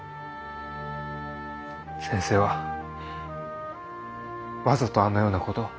先生はわざとあのような事を。